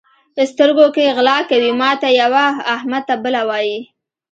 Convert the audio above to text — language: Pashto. سترګو کې غلا کوي؛ ماته یوه، احمد ته بله وایي.